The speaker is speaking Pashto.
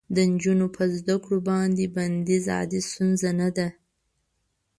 د نجونو په زده کړو باندې بندیز عادي ستونزه نه ده.